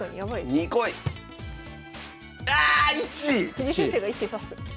藤井先生が１手指す。